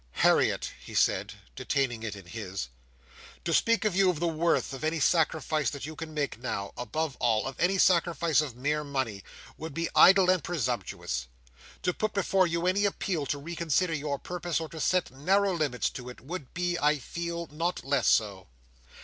"Harriet," he said, detaining it in his. "To speak to you of the worth of any sacrifice that you can make now—above all, of any sacrifice of mere money—would be idle and presumptuous. To put before you any appeal to reconsider your purpose or to set narrow limits to it, would be, I feel, not less so.